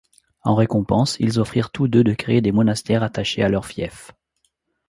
En récompense, ils offrirent tous deux de créer des monastères attachés à leurs fiefs.